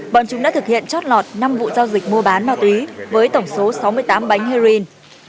bọn chúng đã thực hiện chót lọt năm vụ giao dịch mua bán ma túy với tổng số sáu mươi tám bánh heroin